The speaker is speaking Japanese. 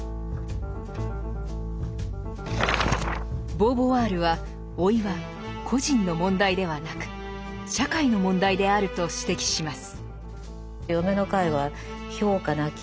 ボーヴォワールは老いは個人の問題ではなく社会の問題であると指摘します。